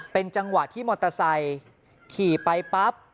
เป็นจังหวะที่มอเตอร์ไซค์ขี่ไปปั๊บ